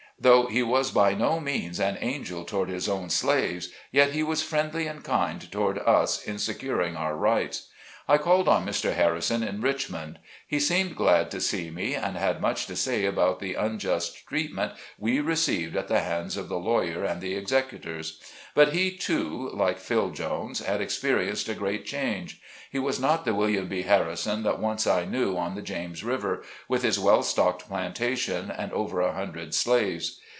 Though ho was by no means an angel toward his own slaves, yet he was friendly and kind toward us in securing our rights. I called on Mr. Harrison in Richmond. He seemed glad to see me, and had much to say about the unjust treatment we received at the hands of the lawyer and the executors. But he, too, like Phil. Jones, had experienced a great change. He was not the William B. Harrison that once I knew on the James River, with his well stocked plantation and over a hundred slaves.